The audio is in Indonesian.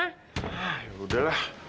ah yaudah lah